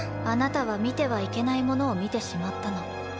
あなたは見てはいけないものを見てしまったの。